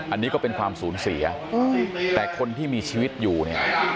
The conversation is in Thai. อันนี้ก็เป็นความสูญเสียแต่คนที่มีชีวิตอยู่เนี่ย